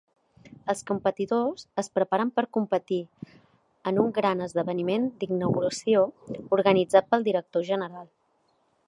Els competidors es preparen per competir en un gran esdeveniment d'inauguració organitzat pel director general.